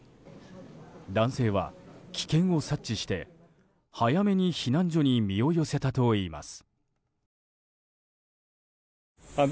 男性は危険を察知して、早めに避難所に身を寄せたといいます。